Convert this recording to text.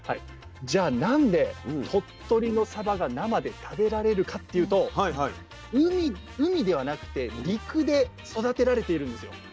じゃあ何で鳥取のサバが生で食べられるかっていうと海ではなくて陸で育てられているんですよ。